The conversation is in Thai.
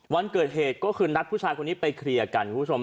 วันเกิดเหตุก็คือนัดผู้ชายคนนี้ไปเคลียร์กันคุณผู้ชม